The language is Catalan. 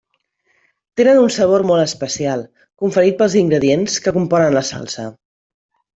Tenen un sabor molt especial, conferit pels ingredients que componen la salsa.